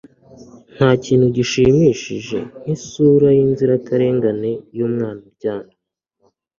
ntakintu gishimishije nkisura yinzirakarengane yumwana uryamye